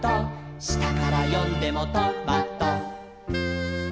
「したからよんでもト・マ・ト」